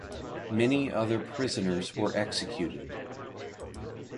Many other prisoners were executed.